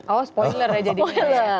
oh spoiler ya jadinya